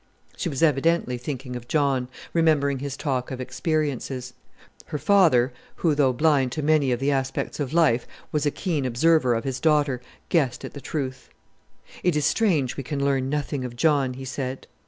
She was evidently thinking of John, remembering his talk of experiences. Her father, who, though blind to many of the aspects of life, was a keen observer of his daughter, guessed at the truth. "It is strange we can learn nothing of John," he said.